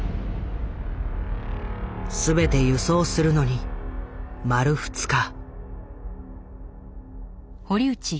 すべて輸送するのに丸２日。